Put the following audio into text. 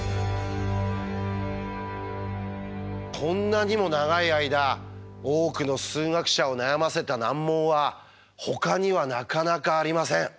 こんなにも長い間多くの数学者を悩ませた難問はほかにはなかなかありません。